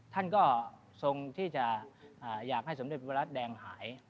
ท่านก็ทรงที่จะอยากให้สมเด็จพระแดงหาย